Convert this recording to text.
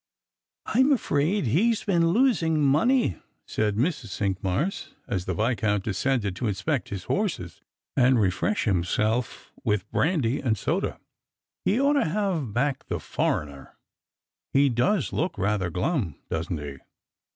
" I'm afraid he has been losing money," said Mrs. Cinqmars, as the Viscount descended to inspect his horses and refresh him self with brandy and soda. " He ought to have backed the foreigner. He does look rather glum, doesn't he